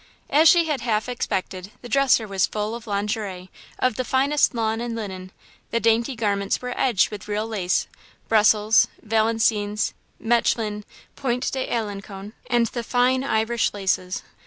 As she had half expected, the dresser was full of lingerie, of the finest lawn and linen. The dainty garments were edged with real lace Brussels, Valenciennes, Mechlin, Point d'Alencon, and the fine Irish laces.